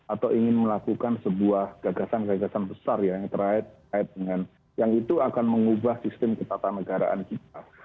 atau ingin melakukan sebuah gagasan gagasan besar ya yang terkait dengan yang itu akan mengubah sistem ketatanegaraan kita